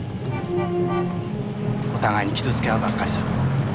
お互いに傷つけ合うばっかりさ。